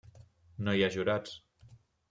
No hi ha jurats.